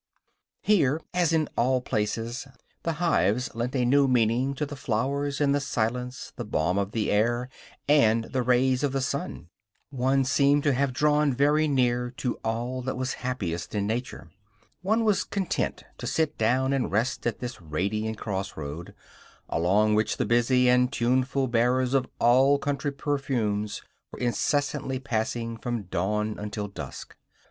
Here, as in all places, the hives lent a new meaning to the flowers and the silence, the balm of the air and the rays of the sun. One seemed to have drawn very near to all that was happiest in nature. One was content to sit down and rest at this radiant cross road, along which the busy and tuneful bearers of all country perfumes were incessantly passing from dawn until dusk.